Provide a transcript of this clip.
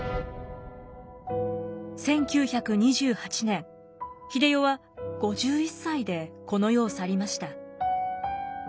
１９２８年英世は５１歳でこの世を去りました。